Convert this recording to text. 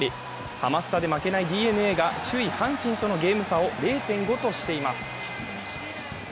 ハマスタで負けないＤｅＮＡが首位・阪神とのゲーム差を０．５としています。